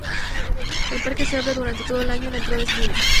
El parque se abre durante todo el año, la entrada es libre.